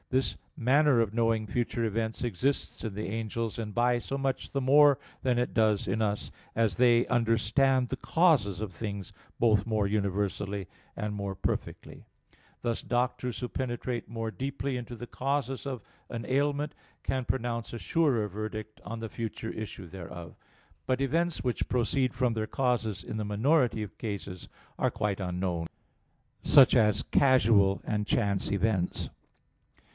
This manner of knowing future events exists in the angels, and by so much the more than it does in us, as they understand the causes of things both more universally and more perfectly; thus doctors who penetrate more deeply into the causes of an ailment can pronounce a surer verdict on the future issue thereof. But events which proceed from their causes in the minority of cases are quite unknown; such as casual and chance events.